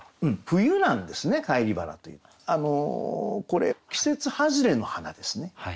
冬なんですね「返り花」というのは。これ季節外れの花ですね。